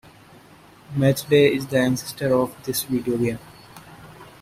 "Matchday" is the ancestor of this videogame.